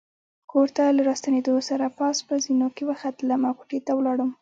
کور ته له راستنېدو سره پاس په زینو کې وختلم او کوټې ته ولاړم.